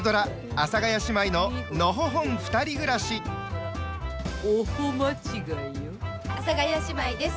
阿佐ヶ谷姉妹です。